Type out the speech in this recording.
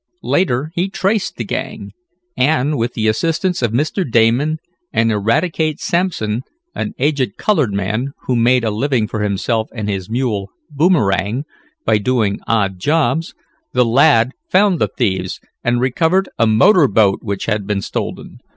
Later he traced the gang, and, with the assistance of Mr. Damon and Eradicate Sampson, an aged colored man who made a living for himself and his mule, Boomerang, by doing odd jobs, the lad found the thieves and recovered a motor boat which had been stolen.